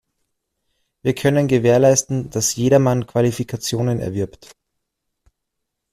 Wir können gewährleisten, dass jedermann Qualifikationen erwirbt.